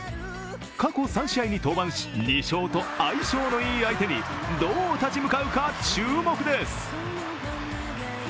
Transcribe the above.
過去３試合に登板し、２勝と相性のいい相手にどう立ち向かうか注目です。